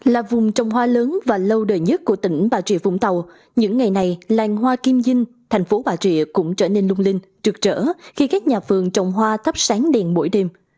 là vùng trồng hoa lớn và lâu đời nhất của tỉnh bà trịa vùng tàu những ngày này làng hoa kim dinh thành phố bà trịa cũng trở nên lung linh trượt trở khi các nhà phường trồng hoa thắp sáng đèn mỗi đêm